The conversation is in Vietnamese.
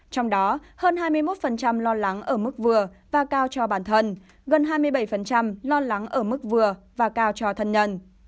trong đó hơn hai mươi một lo lắng ở mức vừa và cao cho bản thân gần hai mươi bảy lo lắng ở mức vừa và cao cho thân nhân